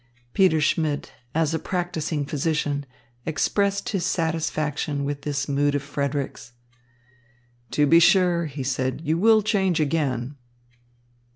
Peter Schmidt, as a practising physician, expressed his satisfaction with this mood of Frederick's. "To be sure," he said, "you will change again."